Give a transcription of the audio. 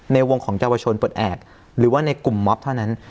ในวงของเยาวชนปลดแอบหรือว่าในกลุ่มมอบเท่านั้น